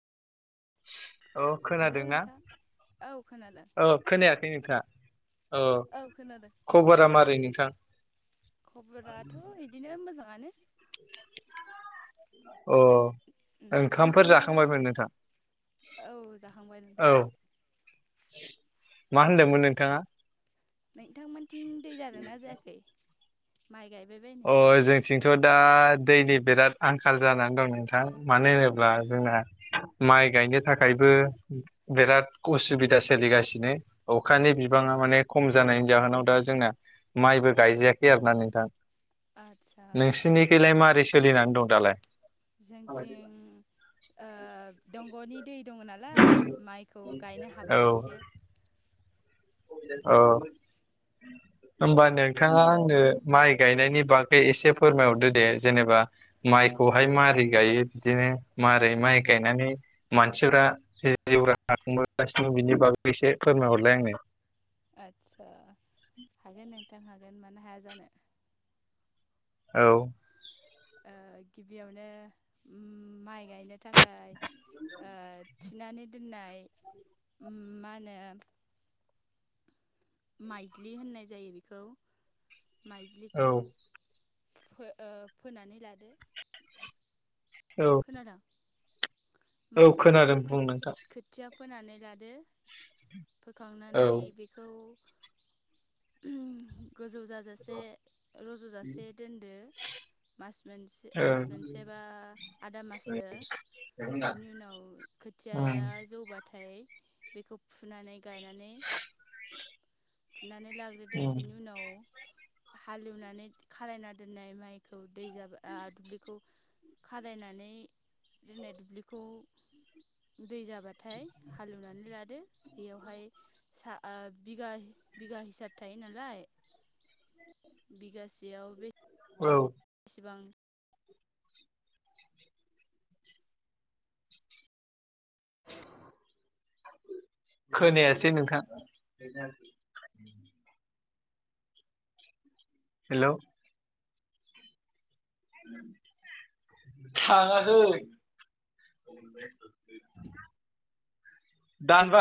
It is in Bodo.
औ हेलौ खोनादोंना नोंथां औ खोनादों औ। खोनायाखै नोंथाङा औ खबरा मारै नोंथां? खबराथ' बिदिनो मोजाङानो। अ नों उम ओंखामफोर नोंथांनाव जाखांबायमोन नोंथां औ जाखांबाय औ नोंथां। मा होनदोंमोन नोंथाङा? नोंथांमोनथिं दै जादोंना जायाखै माइ गायबायबाय अ जों थिंथ' दा दैनि बिराद आंखाल जानानै दं नोंथां मानो होनोब्ला जोंना माइ गायनो थाखायबो बिराद उसुबिदा सोलिगासिनो। अखानि औ बिबाङा माने खम जानायनि जाहोनाव दा जोंना माइबो गायजायाखै आरोना नोंथां। आथ्स नोंसिनिखौैलाय मोरै सोलिनानै दं दालाय? जोंथिं ओ दंग'नि दै दङ नालाय माइखौ गायनो औ हाबाय एसे। उम ओ। [inaudible] होमबा नोंथाङा आंनो माइ गायनायनि बागै एसे फोरमायहरदो दे जेनेबा माइखौहाय मारै गायो बिदिनो मारै माइ गायनानै मानसिफ जिउ राहा खुंबोगासिनो बिनि बागै एसे फोरमायहरलाय आंनो। आदसा हागोन नोंथां हागोन मानो हाया जानो। औ। ओ गिबियावनो उम माइ गायनो थाखाय ओ थिनानै दोननाय उम मा होनो माइज्लि होननाय जायो बेखौ। औ माइज्लिखौ फो ओ फोनानै लादो। औ। औ माइज्लिखौ खोनादों बुं नोंथां खोथ-खोथिया फोनानै लादो। औ फोखांनानै ओं बेख खौ गोजौ जा जासे रज'जासे दोनदो। मास मोनसे मास मोनसेबा आदा माससो बिनि उनाव खोथियाया उम जौबा नाथाय बेखौ फुनानै लायनानै फुनानै ला उम बिनि उनाव [unintelligible] खौ दै जाब दुब्लिखौ खादायनानै जोंना दुब्लिखौ दै जाबाथाय हालेवनानै लादो बेयावहाय सा ओ बिगा बिगा हिसाब थायो नालाय बिगासेयाव बे औ। सेबां [inaudible] खोनायासै नोंथां। हेलौ आ दानब